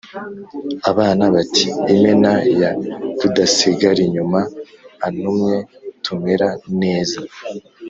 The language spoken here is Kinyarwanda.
abana bati: «imena ya rudasigarinyuma atumye tumera neza,